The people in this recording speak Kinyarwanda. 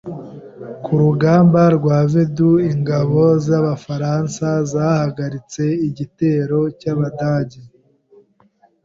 Ku rugamba rwa Verdun, ingabo z’Abafaransa zahagaritse igitero cy’Abadage.